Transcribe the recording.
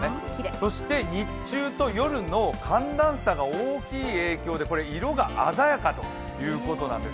そして日中と夜の寒暖差が大きい影響で色が鮮やかということなんです。